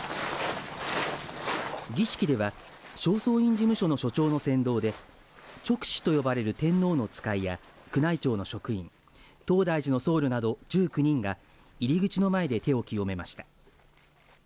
儀式では正倉院事務所の所長の先導で勅使と呼ばれる天皇の使いや宮内庁の職員東大寺の僧侶など１９人が入り口の前で手を清めました。